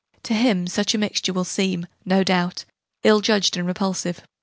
To him such a mixture will seem, no doubt, ill judged and repulsive.